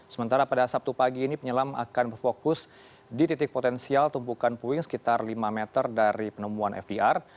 sementara pada sabtu pagi ini penyelam akan berfokus di titik potensial tumpukan puing sekitar lima meter dari penemuan fdr